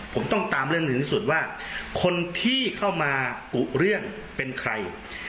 ผมต้องตามเรื่องถึงที่สุดว่าคนที่เข้ามากุเรื่องเป็นใคร